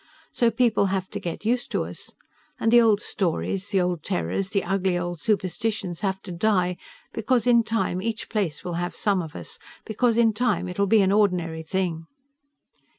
So people have to get used to us. And the old stories, the old terrors, the ugly old superstitions have to die, because in time each place will have some of us; because in time it'll be an ordinary thing."